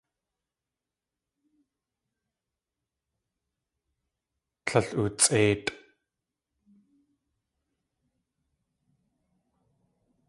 Tlél ootsʼéitʼ.